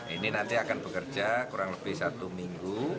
ini nanti akan bekerja kurang lebih satu minggu